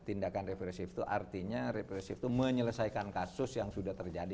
tindakan represif itu artinya represif itu menyelesaikan kasus yang sudah terjadi